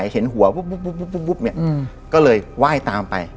เห็นหัวปุ๊บก็เลยไหว้ตามไป